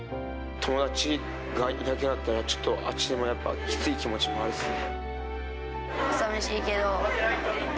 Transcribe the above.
友達がいなくなったら、ちょっと、あっちでもやっぱきつい気持ちもありますしね。